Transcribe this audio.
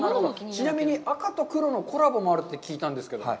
ちなみに赤と黒のコラボもあると聞いたんですけど。